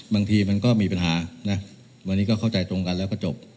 บางทีมันก็มีปัญหานะวันนี้ก็เข้าใจตรงกันแล้วก็จบ